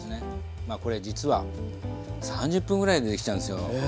これ実は３０分ぐらいでできちゃうんですよ。